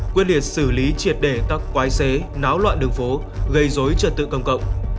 quyết liệt xử lý triệt để các quái xế náo loạn đường phố gây dối trật tự công cộng